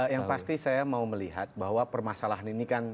yang pasti saya mau melihat bahwa permasalahan ini kan